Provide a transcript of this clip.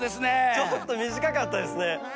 ちょっとみじかかったですね。